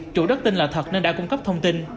chủ đất tin là thật nên đã cung cấp thông tin